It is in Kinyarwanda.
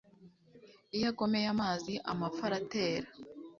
iyo agomeye amazi, amapfa aratera